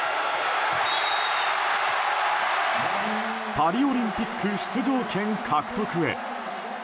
パリオリンピック出場権獲得へ。